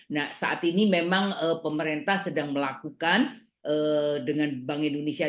nah saat ini memang pemerintah sedang melakukan dengan bank indonesia